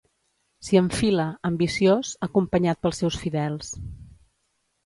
S'hi enfila, ambiciós, acompanyat pels seus fidels.